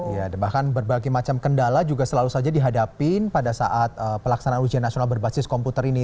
ya bahkan berbagai macam kendala juga selalu saja dihadapin pada saat pelaksanaan ujian nasional berbasis komputer ini